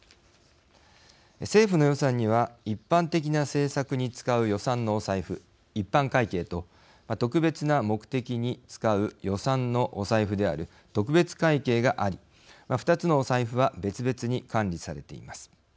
政府の予算には一般的な政策に使う予算のお財布一般会計と特別な目的に使う予算のお財布である特別会計があり２つのお財布は別々に管理されています。